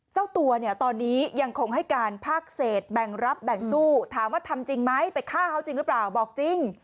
เจ้าตัวเนี่ยตอนนี้ยังคงให้การภาคเศษแบ่งรับแบ่งสู้ถามว่าทำจริงไหมไปฆ่าเขาจริงหรือเปล่าบอกจริง